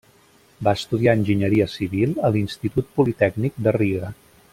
Va estudiar enginyeria civil a l'Institut Politècnic de Riga.